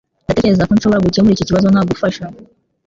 Ndatekereza ko nshobora gukemura iki kibazo ntagufasha